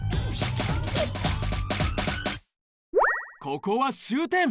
ここは終点。